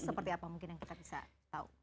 seperti apa mungkin yang kita bisa tahu